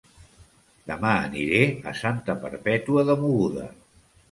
Dema aniré a Santa Perpètua de Mogoda